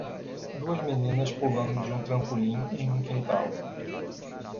Duas meninas pulando de um trampolim em um quintal.